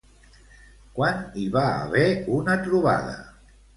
Quan hi va haver una trobada?